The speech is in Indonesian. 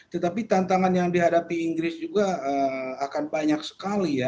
tetapi tantangan yang dihadapi inggris juga akan banyak sekali ya